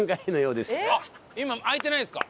今開いてないんですか？